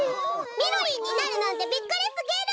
みろりんになるなんてびっくりすぎる！